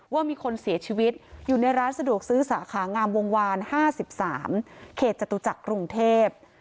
ว่ามีคนเสียชีวิตอยู่ในร้านสะดวกซื้อสาขางามวงวาน๕๓เขตจตุจักรกรุงเทพ